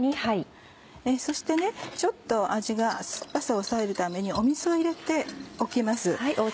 そしてちょっと酸っぱさを抑えるために水を入れておきます。